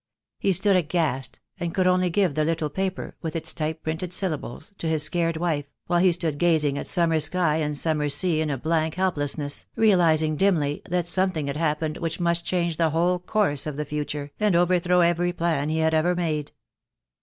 He stood aghast, and could only give the little paper — with its type printed syllables — to his scared wife, while he 106 THE DAY WILL COME. stood gazing at summer sky and summer sea in a blank helplessness, realizing dimly that something had happened which must change the whole course of the future, and overthrow every plan he had ever made.